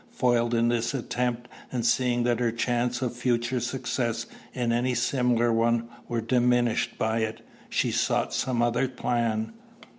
Foiled in this attempt, and seeing that her chances of future success in any similar one were diminished by it, she sought some other plan.